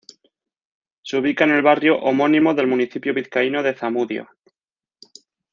Se ubica en el barrio homónimo del municipio vizcaíno de Zamudio.